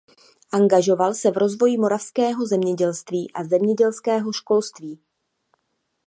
Angažoval se v rozvoji moravského zemědělství a zemědělského školství.